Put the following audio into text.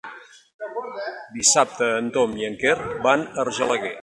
Dissabte en Tom i en Quer van a Argelaguer.